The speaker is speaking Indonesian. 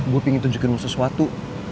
gue pingin tunjukin lo sesuatu